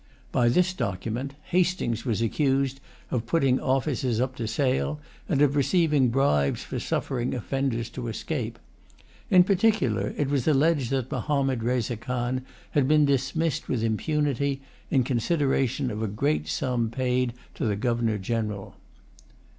By this document Hastings was accused of putting offices up to sale, and of receiving bribes for suffering offenders to escape. In particular, it was alleged that Mahommed Reza Khan had been dismissed with impunity, in consideration of a great sum paid to the Governor General.